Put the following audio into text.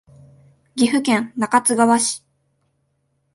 岐阜県中津川市